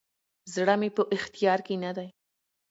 زړه مي په اختیار کي نه دی،